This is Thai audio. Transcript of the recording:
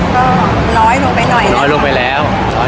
ก็น้อยลงไปน้อยเลย